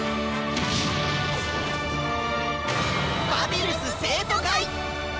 「バビルス生徒会！」。